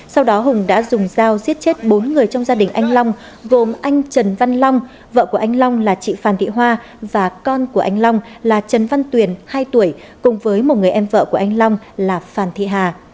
sau đó hùng đã dùng dao giết chết bốn người trong gia đình anh long gồm anh trần văn long vợ của anh long là chị phan thị hoa và con của anh long là trần văn tuyền hai tuổi cùng với một người em vợ của anh long là phàn thị hà